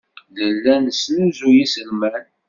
Nella nesnuzuy iselman.